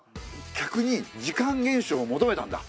客に時間厳守を求めたんだ。